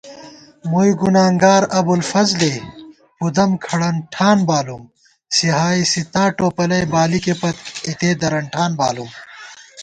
مُوئی گنانگار ابُوالفضلےپُدم کھڑَن ٹھان بالُوم * صحاحِ ستّا ٹوپَلَئی بالِکےپت اِتےدرَن ٹھان بالُوم